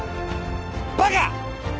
バカ！